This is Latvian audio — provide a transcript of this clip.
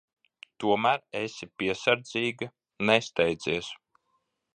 Tomēr esi piesardzīga. Nesteidzies.